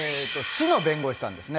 市の弁護士さんですね。